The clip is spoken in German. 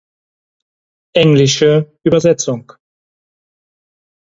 Englische Übersetzung